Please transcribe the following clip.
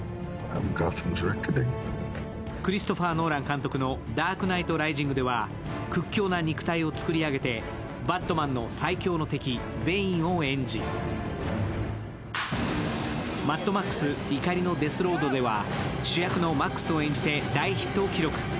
クリストファー・ノーラン監督の「ダークナイトライジング」では屈強な肉体を作り上げて、バットマンの最強の敵・ベインを演じ、「マッドマックス怒りのデス・ロード」では主役のマックスを演じて大ヒットを記録。